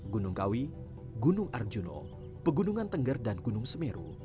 gunung kawi gunung arjuna pegunungan tengger dan gunung semeru